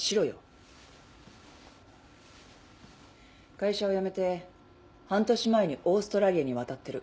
会社を辞めて半年前にオーストラリアに渡ってる。